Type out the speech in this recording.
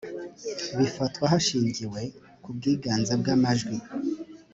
bifatwa hashingiwe ku bwiganze bw amajwi